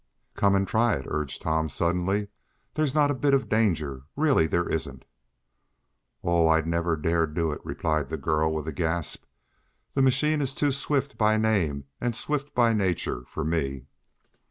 "Come and try it," urged Tom suddenly. "There's not a bit of danger. Really there isn't." "Oh! I'd never dare do it!" replied the girl, with a gasp. "That machine is too swift by name and swift by nature for me."